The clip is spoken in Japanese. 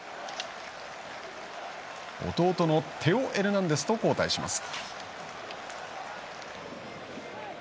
弟のテオ・エルナンデスと交代します。